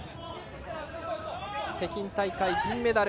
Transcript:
北京大会、銀メダル。